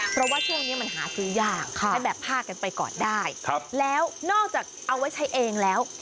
เพราะว่าช่วงนี้มันหาซื้อยากให้แบบผ้ากันไปก่อนได้แล้วนอกจากเอาไว้ใช้เองแล้ว